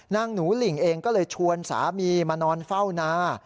นางหนูหลิ่งเองก็เลยชวนสามีมานอนเฝ้านา